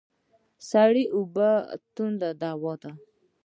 سړه اوبه د تندې دوا ده